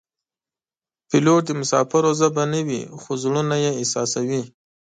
پیلوټ د مسافرو ژبه نه وي خو زړونه یې احساسوي.